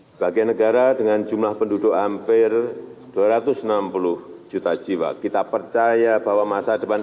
sebagai negara dengan jumlah penduduk hampir dua ratus enam puluh juta jiwa kita percaya bahwa masa depan